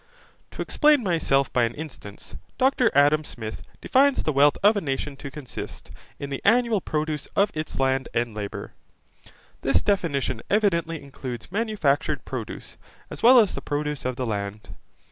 To explain myself by an instance. Dr Adam Smith defines the wealth of a nation to consist. In the annual produce of its land and labour. This definition evidently includes manufactured produce, as well as the produce of the land.